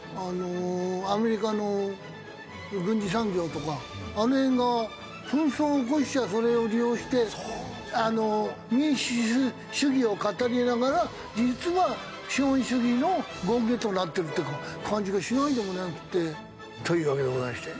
アメリカの軍事産業とかあの辺が紛争を起こしちゃそれを利用して民主主義を語りながら実は資本主義の権化となっているっていう感じがしないでもなくて。というわけでございまして。